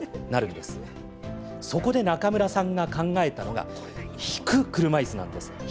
そこで中村さんが考えたのが引く車いすなんです。